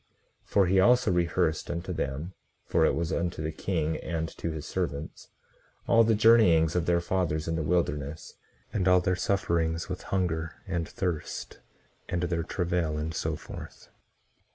18:37 And he also rehearsed unto them (for it was unto the king and to his servants) all the journeyings of their fathers in the wilderness, and all their sufferings with hunger and thirst, and their travail, and so forth.